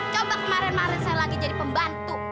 coba kemarin maret saya lagi jadi pembantu